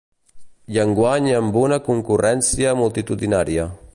I enguany amb una concurrència multitudinària.